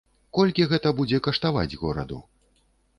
Колькі гэта будзе каштаваць гораду?